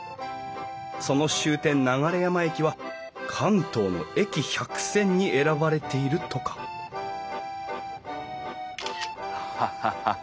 その終点流山駅は関東の駅百選に選ばれているとかハハハ。